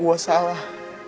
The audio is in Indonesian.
gue tau gue salah